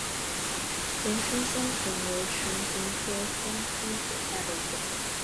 岩生香薷为唇形科香薷属下的一个种。